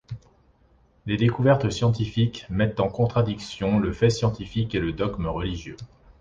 Les découvertes scientifiques mettent en contradiction le fait scientifique et le dogme religieux.